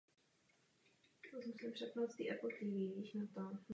Za seniorskou anglickou reprezentaci nastoupil ve třech zápasech.